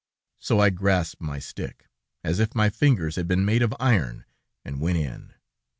So I grasped my stick, as if my fingers had been made of iron, and went in.